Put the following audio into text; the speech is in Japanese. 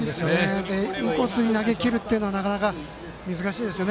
インコースに投げきるっていうのはなかなか難しいですよね。